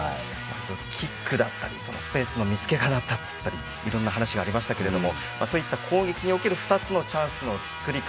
キックだったりスペースの見つけ方だったりいろんな話がありましたがそういった攻撃における２つのチャンスの作り方。